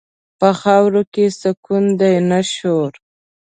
په خاورو کې سکون دی، نه شور.